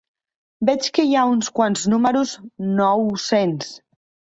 Veig que hi ha uns quants números nou-cents.